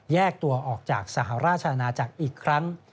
แยกตัวออกจากสหราชอาณาจักรอีกครั้ง